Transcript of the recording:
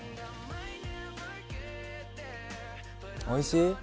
おいしい？